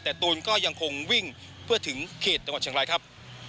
แต่ตูนก็ยังคงวิ่งเพื่อถึงเขตจังหวัดเชียงรายครับ